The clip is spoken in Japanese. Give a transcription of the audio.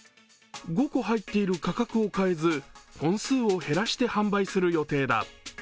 ５個入っている価格を変えず本数を減らして販売する予定だ。